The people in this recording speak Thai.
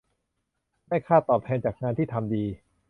ได้ค่าตอบแทนจากงานที่ทำดี